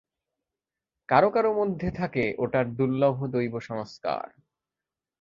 কারও কারও মধ্যে থাকে ওটার দুর্লভ দৈব সংস্কার।